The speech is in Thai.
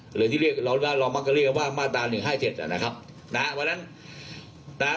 เหลือที่เรามันก็เรียกคำว่ามาตรา๑๕๗